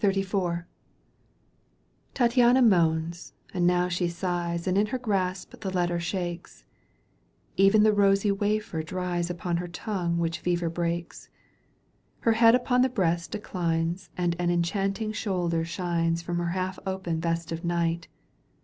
XXXIV. Tattiana moans and now she sighs And in her grasp the letter shakes, Even the rosy wafer dries Upon her tongue which fever bakes. Her head upon her breast declines And an enchanting shoulder shines From her half open vest of night.